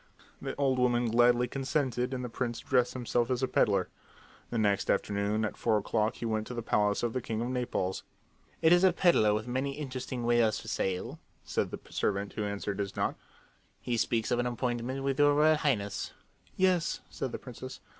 The old woman gladly consented, and the prince dressed himself as a peddler. The next afternoon at four o'clock he went to the palace of the king of Naples. "It is a peddler with many interesting wares for sale," said the servant who answered his knock. "He speaks of an appointment with your Royal Highness." "Yes," said the princess.